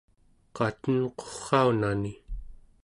qatenqurraunani